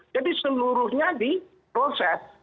jadi seluruhnya diproses